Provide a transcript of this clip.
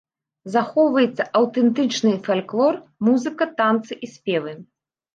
Захоўваецца аўтэнтычны фальклор, музыка, танцы і спевы.